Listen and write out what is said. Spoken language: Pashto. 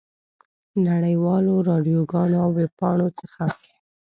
نړۍ والو راډیوګانو او ویبپاڼو څخه.